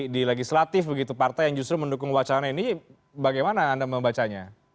di legislatif begitu partai yang justru mendukung wacana ini bagaimana anda membacanya